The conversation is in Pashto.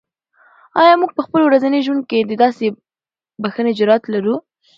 آیا موږ په خپل ورځني ژوند کې د داسې بښنې جرات لرو؟